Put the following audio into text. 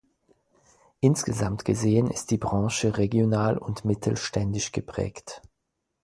Insgesamt gesehen ist die Branche regional und mittelständisch geprägt.